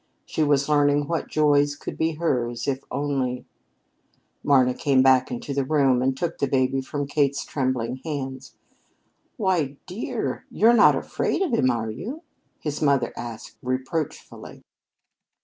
She was learning what joys could be hers if only Marna came back into the room and took the baby from Kate's trembling hands. "Why, dear, you're not afraid of him, are you?" his mother asked reproachfully.